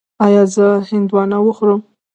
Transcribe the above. ایا زه هندواڼه وخورم؟